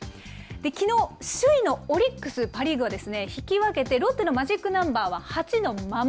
きのう、首位のオリックス、パ・リーグは引き分けて、ロッテのマジックナンバーは８のまま。